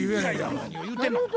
何を言うてんの。